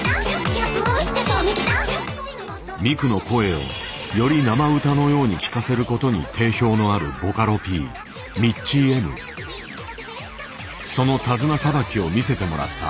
ミクの声をより生歌のように聞かせることに定評のあるその手綱さばきを見せてもらった。